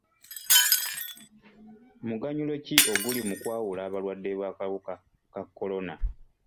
Muganyulo ki oguli mu kwawula abalwadde b'akawuka ka kolona.